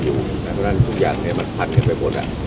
อยู่ทุกอย่างเนี่ยมันพันห์